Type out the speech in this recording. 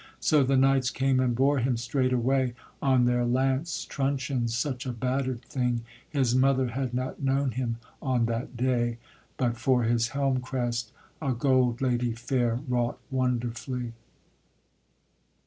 So the knights came and bore him straight away On their lance truncheons, such a batter'd thing, His mother had not known him on that day, But for his helm crest, a gold lady fair Wrought wonderfully.